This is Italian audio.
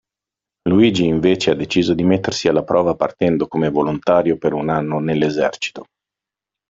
Luigi invece ha deciso di mettersi alla prova partendo come volontario per un anno nell'Esercito.